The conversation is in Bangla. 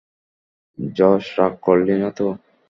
জশ, রাগ করলি নাতো?